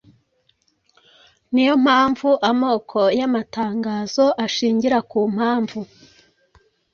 Ni yo mpamvu amoko y’amatangazo ashingira ku mpamvu